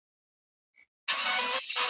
باثباته دولت څنګه جوړیږي؟